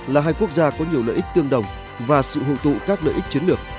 là hai quốc gia có nhiều lợi ích tương đồng và sự hội tụ các lợi ích chiến lược